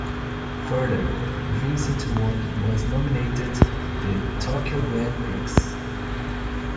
Further, Vincent Ward was nominated in the Tokyo Grand Prix.